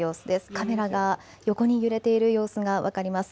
カメラが横に揺れている様子が分かります。